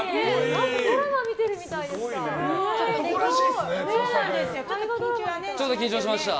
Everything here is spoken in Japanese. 何かドラマ見てるみたいでした。